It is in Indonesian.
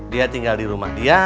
dia tinggal di rumah dia